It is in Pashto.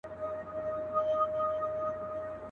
خپل جنون رسوا کمه، ځان راته لیلا کمه